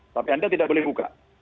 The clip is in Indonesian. tapi anda tidak boleh buka